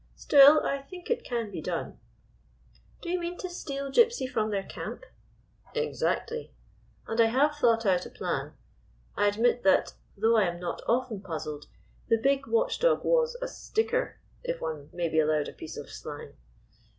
Still, I think it can be done." " Do you mean to steal Gypsy from their camp?" " Exactly; and I have thought out a plan. I admit that, though I am not often puzzled, the big watchdog was a — sticker, if I may be allowed a piece of slang."